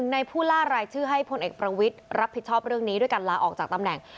ในผู้ล่ารายชื่อให้พลเอกประวิทย์รับผิดชอบเรื่องนี้ด้วยการลาออกจากตำแหน่ง